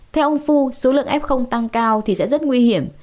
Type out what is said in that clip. theo ông phu số lượng f tăng cao thì sẽ rất nguy hiểm